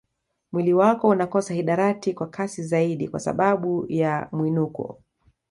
Mwili wako unakosa hidarati kwa kasi zaidi kwa sababu ya mwinuko